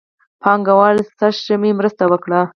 پانګهوالو سږ ژمی مرسته وکړه.